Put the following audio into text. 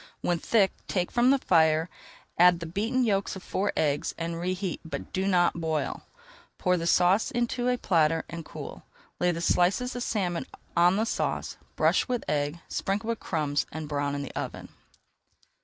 When thick, take from the fire, add the beaten yolks of four eggs, and reheat but do not boil. Pour the sauce into a platter, and cool. Lay the slices of salmon on the sauce, brush with egg, sprinkle with crumbs and brown in the oven.